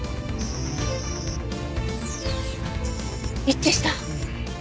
一致した！